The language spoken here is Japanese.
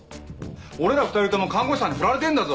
俺ら２人とも看護師さんにフラれてんだぞ。